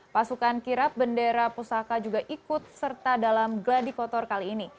pasukan kirap bendera pusaka juga ikut serta dalam gladi kotor kali ini